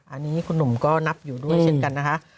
อันนี้คุณหนุ่มก็นับอยู่ด้วยเช่นกันนะคะ